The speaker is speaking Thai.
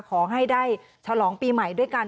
ขอให้ได้ฉลองปีใหม่ด้วยกัน